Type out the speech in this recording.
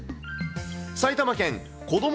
埼玉県こども